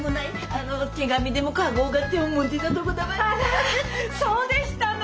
あらそうでしたの？